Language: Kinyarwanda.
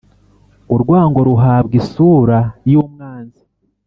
– urwango ruhabwa isura y' umwanzi,